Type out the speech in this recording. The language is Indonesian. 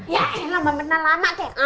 ya elah mbak mirna lama teh